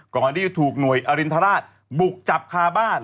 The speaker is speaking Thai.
ก่อนที่จะถูกหน่วยอรินทราชบุกจับคาบ้าน